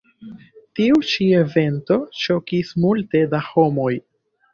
Tiu ĉi evento ŝokis multe da homoj.